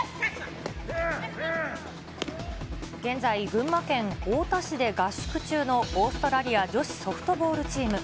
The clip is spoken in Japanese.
現在、群馬県太田市で合宿中の、オーストラリア女子ソフトボールチーム。